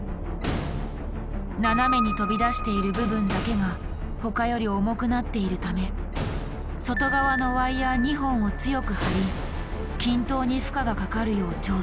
斜めに飛び出している部分だけが他より重くなっているため外側のワイヤー２本を強く張り均等に負荷がかかるよう調整。